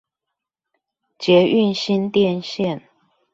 捷運新店線